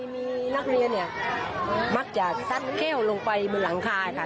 มีนักเรียนเนี่ยมักจะซัดแก้วลงไปบนหลังคาค่ะ